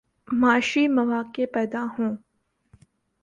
معاشی مواقع پیدا ہوں۔